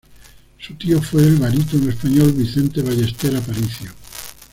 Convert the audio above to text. Su tío fue el barítono español Vicente Ballester Aparicio.